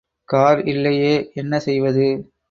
Car இல்லையே என்ன செய்வது?